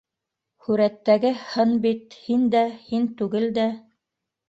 Һүрәттәге һын бит... һин дә, һин түгел дә...